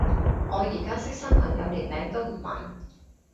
我而家識新朋友連名都唔問